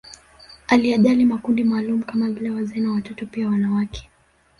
Aliyajali makundi maalumu kama vile wazee na watoto pia wanawake